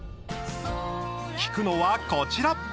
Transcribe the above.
聞くのは、こちら。